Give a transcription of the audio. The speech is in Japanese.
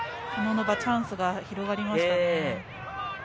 コノノバ、チャンスが広がりましたね。